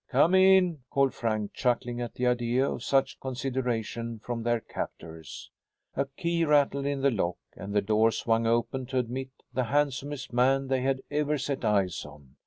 "Come in," called Frank, chuckling at the idea of such consideration from their captors. A key rattled in the lock and the door swung open to admit the handsomest man they had ever set eyes on.